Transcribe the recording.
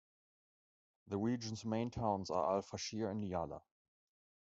The region's main towns are Al Fashir and Nyala.